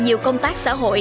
nhiều công tác xã hội